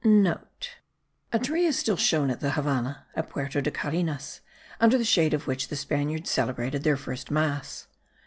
*(* A tree is still shown at the Havannah (at Puerto de Carenas) under the shade of which the Spaniards celebrated their first mass.